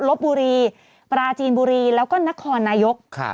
ลบบุรีปราจีนบุรีแล้วก็นครนายก